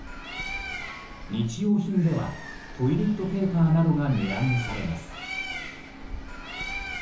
日用品ではトイレットペーパーなどが値上げされます。